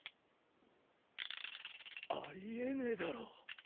あり得ねえだろ。